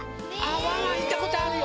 ワンワンいったことあるよ。